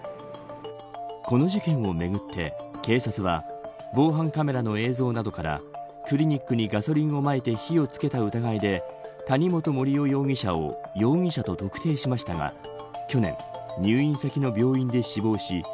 この事件をめぐって、警察は防犯カメラの映像などからクリニックにガソリンをまいて火をつけた疑いで谷本盛雄容疑者を容疑者と特定しましたが去年、入院先の病院で死亡し